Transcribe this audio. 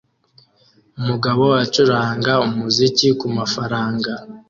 Umugabo ucuranga umuziki kumafaranga